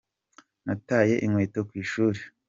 Nataye inkweto ku ishuri.